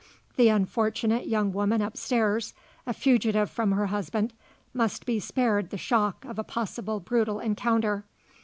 The unfortunate young woman upstairs, a fugitive from her husband, must be spared the shock of a possible brutal encounter.